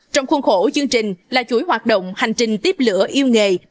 trong khuôn khổ chương trình là chuỗi hoạt động hành trình tiếp lửa yêu nghề